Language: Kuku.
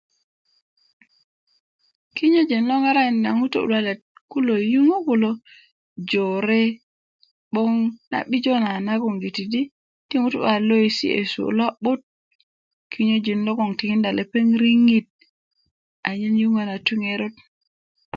Kinyöjin lo ŋarakinda ŋutu luwalet kulo i yuŋwö kulo jore 'böŋ na'bijo nagoŋgiti di ti ŋutu luwalet lo yesiyesu a lo'but kinyöji logon tikinda lepeŋ riŋit anyen yuŋwö na tu ŋeröt